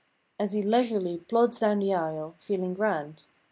As he leisurely plods down the aisle—feeling grand.